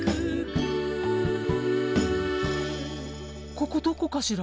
ここどこかしら。